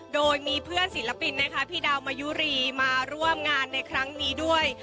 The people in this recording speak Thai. โดยมีเพื่อนศิลปินนะคะพี่ดาวมายุรีมาร่วมงานในครั้งนี้ด้วย